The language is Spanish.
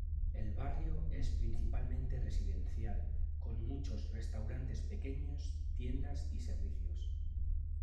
El barrio es principalmente residencial, con muchos restaurantes pequeños, tiendas y servicios.